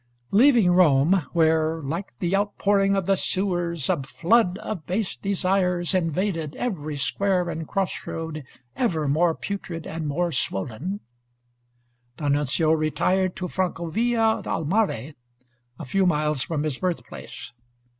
Leaving Rome, where, "like the outpouring of the sewers, a flood of base desires invaded every square and cross road, ever more putrid and more swollen," D'Annunzio retired to Francovilla al Mare, a few miles from his birthplace.